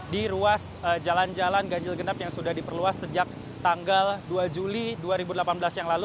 di ruas jalan jalan ganjil genap yang sudah diperluas sejak tanggal dua juli dua ribu delapan belas yang lalu